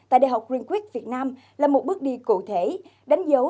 tại đại học greenquist việt nam là một bước đi cụ thể đánh dấu